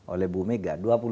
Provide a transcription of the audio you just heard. oleh bu mega